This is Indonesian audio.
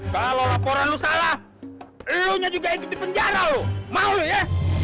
kalau laporan lo salah lo nya juga ikut di penjara loh mau lo ya